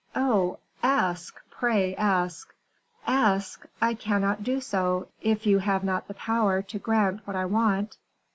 "Oh! ask, pray, ask." "Ask! I cannot do so, if you have not the power to grant what I want."